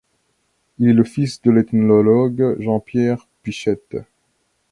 Il est le fils de l'ethnologue Jean-Pierre Pichette.